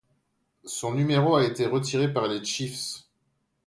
Son numéro a été retiré par les Chiefs.